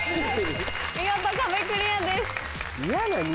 見事壁クリアです。